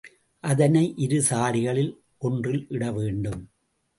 அதனை இரு சாடிகளில் ஒன்றில் இட வேண்டும்.